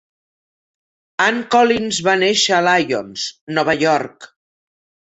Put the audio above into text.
Ann Collins va néixer a Lyons, Nova York.